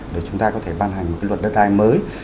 để chúng ta có thể ban hành một cái luật đất đai mới